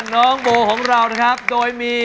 น้องโบของเรานะครับโดยมี